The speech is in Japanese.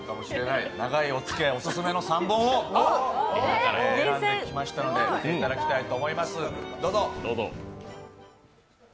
い、おつきあいオススメの３本を選んできましたので、見ていただきたいと思います。